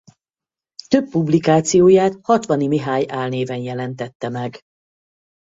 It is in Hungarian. Több publikációját Hatvani Mihály álnéven jelentette meg.